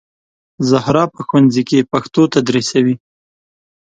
زهرا په ښوونځي کې پښتو تدریسوي